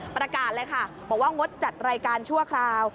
ประกาศเลยค่ะบอกว่างดจัดรายการชั่วคราว